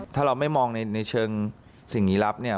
ถ้าเราไม่มองในเชิงสิ่งลี้ลับเนี่ย